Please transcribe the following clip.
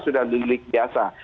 sudah delik biasa